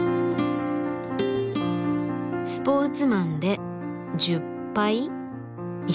「スポーツマンで１０ぱい」？